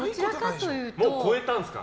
もう超えたんですか？